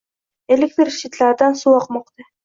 Elektr shitlardan suv oqmoqda.